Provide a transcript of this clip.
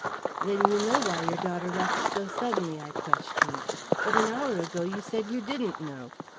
"Then you know why your daughter left so suddenly?" I questioned. "But an hour ago, you said you didn't know."